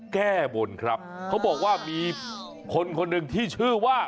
แก้บนครับเขาบอกว่ามีคนคนหนึ่งที่ชื่อว่า